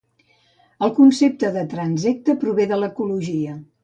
El concepte de transsecte prové de l'ecologia.